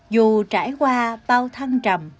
dù trải qua bao thăng trầm